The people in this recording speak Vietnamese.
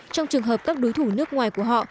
trong trường hợp các đối thủ nước ngoài của họ